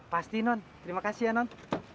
pasti non terima kasih ya non